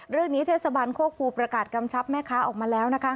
เรื่องนี้เทศบาลโคกภูประกาศกำชับแม่ค้าออกมาแล้วนะคะ